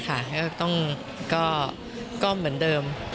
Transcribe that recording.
ก็ต้องเหมือนเดิม